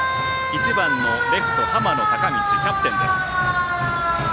１番のレフト、浜野孝教キャプテンです。